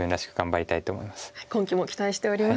今期も期待しております。